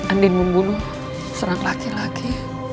andin membunuh serang laki laki